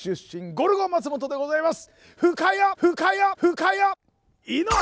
ゴルゴ松本でございます！